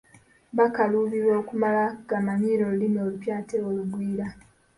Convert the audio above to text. Bakaluubirwa okumala gamanyiira Olulimi olupya ate olugwira.